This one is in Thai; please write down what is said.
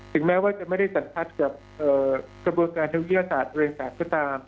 ถึงแม้ว่าจะไม่ได้สังพัฒนภ์กับกระบวกการทางวิทยาศาสตร์อรัยศาสตร์ก็ตาม